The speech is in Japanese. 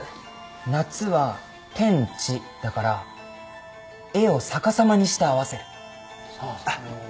夏は「天・地」だから絵を逆さまにして合わせる。